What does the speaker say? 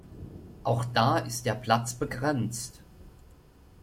Auch da ist der Platz begrenzt.